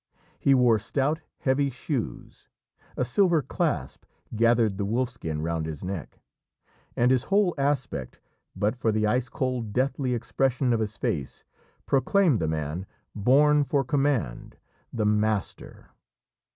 He wore stout heavy shoes, a silver clasp gathered the wolf skin round his neck, and his whole aspect, but for the ice cold deathly expression of his face, proclaimed the man born for command the master!